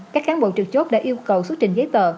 các cán bộ trực chốt đã yêu cầu xuất trình giấy tờ